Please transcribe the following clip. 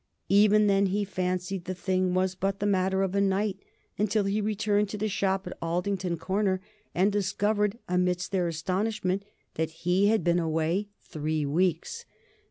Even then he fancied the thing was but the matter of a night until he returned to the shop at Aldington Corner and discovered amidst their astonishment that he had been away three weeks.